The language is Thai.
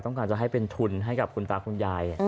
ต้องการจะให้เป็นทุนให้กับคุณตาคุณยาย